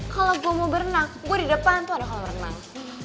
kalau gue mau berenang gue di depan tuh ada kolam renang